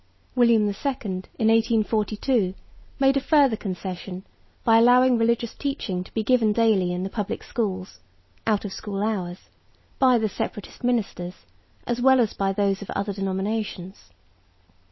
William II, in 1842, made a further concession by allowing religious teaching to be given daily in the public schools (out of school hours) by the Separatist ministers, as well as by those of other denominations.